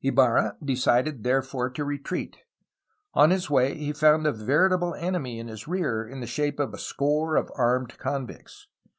Ibarra decided therefore to re treat. On his way he found a veritable enemy in his rear in the shape of a score of armed convicts.